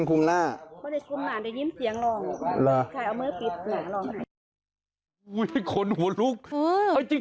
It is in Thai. อุ้ยขนหัวลุก